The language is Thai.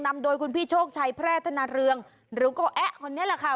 นำโดยคุณพี่โชคชัยแพร่ธนาเรืองหรือโกแอ๊ะคนนี้แหละค่ะ